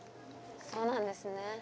そうなんですね。